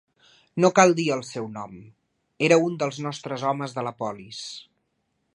No cal dir el seu nom, era un dels nostres homes de la polis